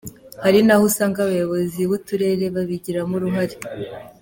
Hari n’aho usanga abayobozi b’uturere babigiramo uruhare.